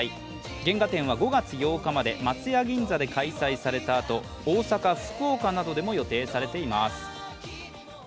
原画展は５月８日まで松屋銀座で開催されたあと大阪、福岡などでも予定されています。